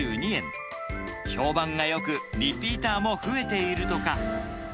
評判がよく、リピーターも増えているとか。